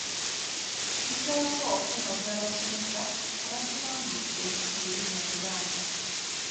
Tuzzaako okwebaza abasomesa abatubangudde mu lulimi Oluganda.